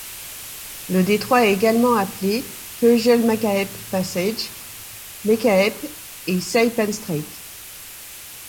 Le détroit est également appelé Geugel-Makaep Passage, Mekaeb et Saipan Strait.